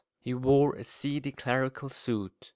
He wore a seedy clerical suit.